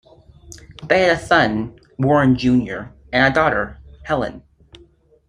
They had a son, Warren Junior and a daughter, Helen.